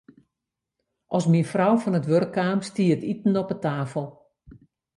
As myn man fan it wurk kaam, stie it iten op 'e tafel.